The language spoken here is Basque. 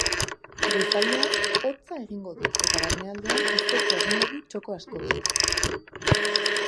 Goizaldean, hotza egingo du, eta barnealdean izotza egingo du txoko askotan.